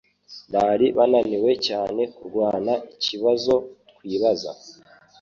Bari bananiwe cyane kurwana ikibazo twibaza